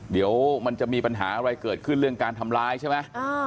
เดี๋ยวมันจะมีปัญหาอะไรเกิดขึ้นเรื่องการทำร้ายใช่ไหม